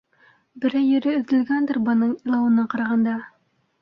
Берәй ере өҙөлгәндер бының илауына ҡарағанда...